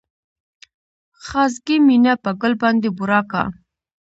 خاصګي مينه په ګل باندې بورا کا